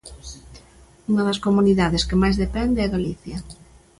Unha das comunidades que máis depende é Galicia.